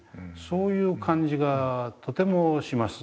そういう感じがとてもします。